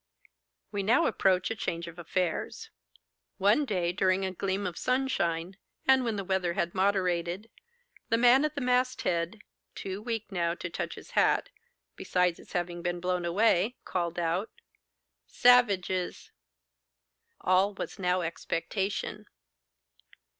We now approach a change of affairs. One day during a gleam of sunshine, and when the weather had moderated, the man at the masthead—too weak now to touch his hat, besides its having been blown away—called out, 'Savages!' All was now expectation.